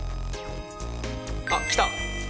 あっ来た。